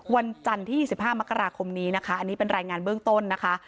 วันจันทร์ที่๒๕มกราคมนี้นะคะอันนี้เป็นรายงานเบื้องต้นนะคะ